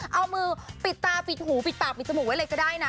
เอามือปิดตาปิดหูปิดปากปิดจมูกไว้เลยก็ได้นะ